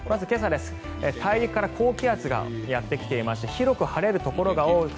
大陸から高気圧がやってきて広く晴れるところが多い。